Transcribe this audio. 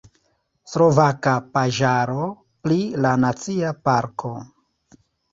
Slovaka paĝaro pri la nacia parko.